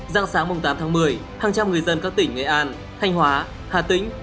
dạng sáng tám tháng một mươi hàng trăm người dân các tỉnh nghệ an thanh hóa hà tĩnh